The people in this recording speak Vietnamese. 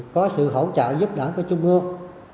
có sự hỗ trợ giúp đỡ của trung ương